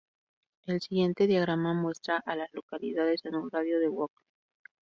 El siguiente diagrama muestra a las localidades en un radio de de Oakley.